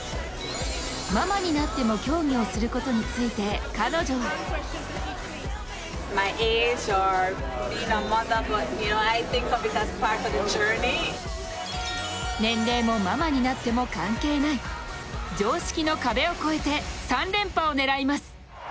ママになっても競技をすることについて、彼女は年齢も、ママになっても関係ない常識の壁を超えて３連覇を狙います。